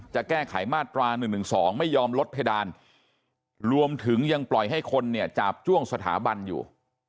จะแก้ไขมาตรา๑๑๒ไม่ยอมลดเพดานรวมถึงยังปล่อยให้คนเนี่ยจาบจ้วงสถาบันอยู่